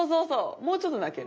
もうちょっと泣ける？